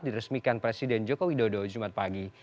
diresmikan presiden jokowi dodo jumat pagi